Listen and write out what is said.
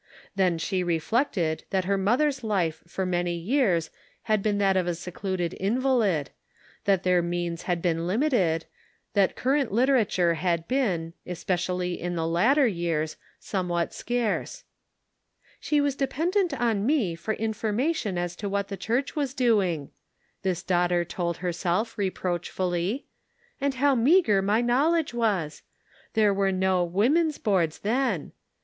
Then she reflected that her mother's life for many years had been that of a secluded invalid, that their means had been limited, that current literature had been, espec ially in the latter years, somewhat scarce. " She • Perfect Love Casteth out Fear. 197 was dependant on me for information as to what the Church was doing," this daughter told herself, reproachfully; "and how meager my knowledge was ! There were no " Woman's Boards " then.